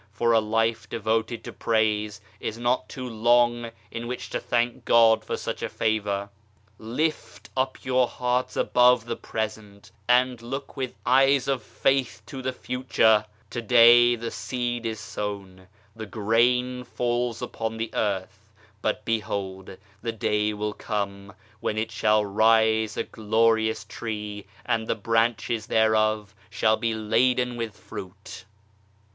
For a life devoted to praise is not too long in which to thank God for such a favour. Lift up your hearts above the present and look with eyes of faith into the future ! To day the seed is sown, the grain falls upon the earth, but behold the day will come when it shall rise a glorious tree and the branches thereof shall be laden with fruit.